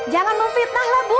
jangan memfitnahlah bu